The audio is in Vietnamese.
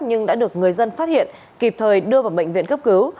nhưng đã được người dân phát hiện kịp thời đưa vào bệnh viện cấp cứu